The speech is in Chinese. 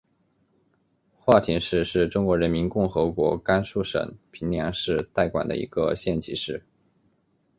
华亭市是中华人民共和国甘肃省平凉市代管的一个县级市。